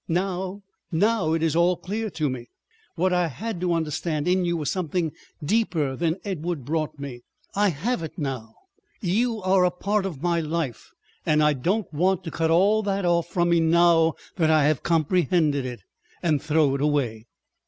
Now—now it is all clear to me. What I had to understand in you was something deeper than Edward brought me. I have it now. ... You are a part of my life, and I don't want to cut all that off from me now I have comprehended it, and throw it away."